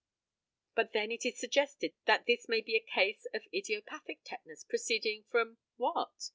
But then it is suggested that this may be a case of idiopathic tetanus proceeding from what?